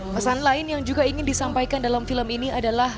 pesan lain yang juga ingin disampaikan dalam film ini adalah